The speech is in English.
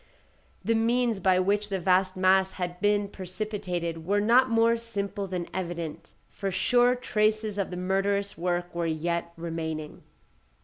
The means by which the vast mass had been precipitated were not more simple than evident, for sure traces of the murderous work were yet remaining.